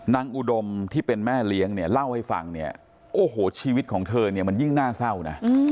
อุดมที่เป็นแม่เลี้ยงเนี่ยเล่าให้ฟังเนี่ยโอ้โหชีวิตของเธอเนี่ยมันยิ่งน่าเศร้านะ